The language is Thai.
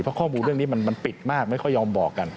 เพราะข้อมูลเรื่องนี้มันปิดมากไม่ค่อยยอมบอกกัน